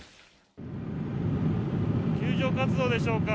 救助活動でしょうか。